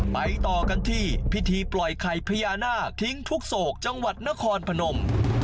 ไปต่อกันที่พิธีปล่อยไข่พญานาคทิ้งทุกโศกจังหวัดนครพนม